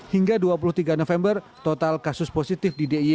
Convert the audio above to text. hingga dua puluh tiga november total kasus positif di d i y